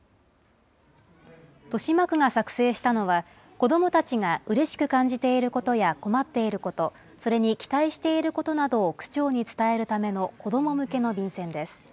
豊島区が作成したのは、子どもたちがうれしく感じていることや困っていること、それに期待していることなどを区長に伝えるための子ども向けの便せんです。